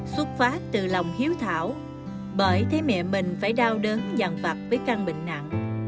xuất phát từ lòng hiếu thảo bởi thấy mẹ mình phải đau đớn dằn vặt với căn bệnh nặng